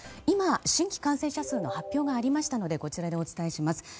今、新規感染者数の発表がありましたのでこちらでお伝えします。